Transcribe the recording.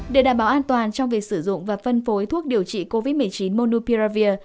để đảm bảo an toàn trong việc sử dụng và phân phối thuốc điều trị covid một mươi chín monupiravir